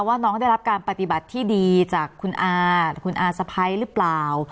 ว่าน้องได้รับการปฏิบัติที่ดีจากคุณอาคุณอาสะพ้ายหรือเปล่า